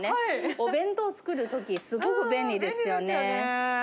お弁当作るとき、すごく便利ですよね。